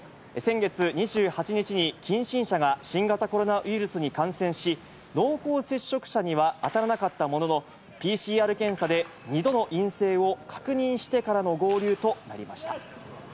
先月２８日に近親者が新型コロナウイルスに感染し、濃厚接触者には当たらなかったものの、ＰＣＲ検査で２度の陰性を確認してからの合流となりました。